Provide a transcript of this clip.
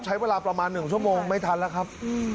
ใช้เวลาประมาณ๑ชั่วโมงไม่ทันแล้วครับ